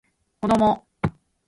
子供